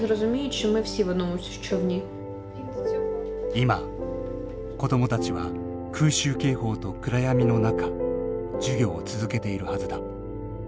今子どもたちは空襲警報と暗闇の中授業を続けているはずだ。